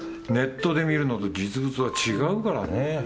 ネットで見るのと実物は違うからね。